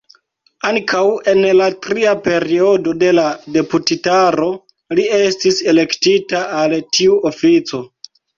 Ankaŭ en la tria periodo de la deputitaro li estis elektita al tiu ofico.